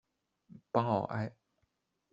邦奥埃。